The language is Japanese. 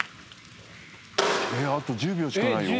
あと１０秒しかないよ。